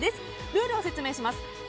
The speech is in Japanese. ルールを説明します。